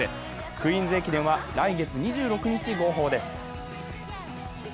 クイーンズ駅伝は来月２６日号砲です。